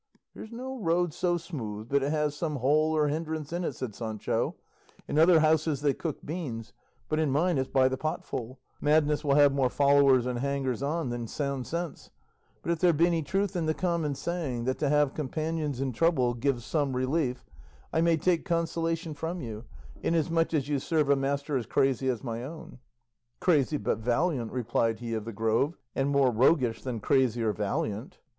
"There's no road so smooth but it has some hole or hindrance in it," said Sancho; "in other houses they cook beans, but in mine it's by the potful; madness will have more followers and hangers on than sound sense; but if there be any truth in the common saying, that to have companions in trouble gives some relief, I may take consolation from you, inasmuch as you serve a master as crazy as my own." "Crazy but valiant," replied he of the Grove, "and more roguish than crazy or valiant."